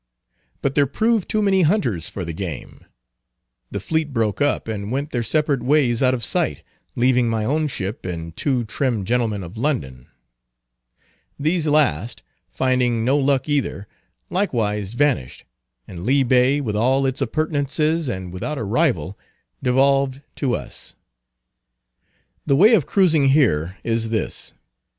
But there proved too many hunters for the game. The fleet broke up, and went their separate ways out of sight, leaving my own ship and two trim gentlemen of London. These last, finding no luck either, likewise vanished; and Lee Bay, with all its appurtenances, and without a rival, devolved to us. The way of cruising here is this.